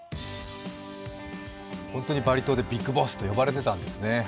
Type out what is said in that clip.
本当にバリ島でビッグボスと呼ばれていたんですね。